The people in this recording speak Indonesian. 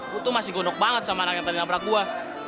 gue tuh masih gunung banget sama anak yang tadi naprak gue